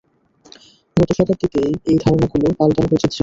গত শতাব্দীতে এই ধারণা গুলো, পাল্টানোর উচিত ছিলে।